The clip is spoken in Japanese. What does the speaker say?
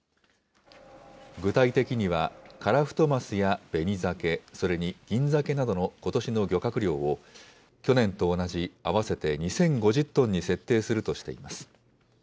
具体的には、カラフトマスやベニザケ、それにギンザケなどのことしの漁獲量を、去年と同じ、合わせて２０５０トンに設定するとしています。